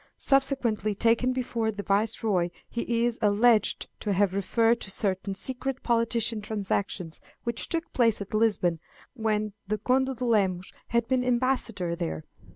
Subsequently taken before the Viceroy, he is alleged to have referred to certain secret political transactions which took place at Lisbon when the Conde de Lemos had been ambassador there.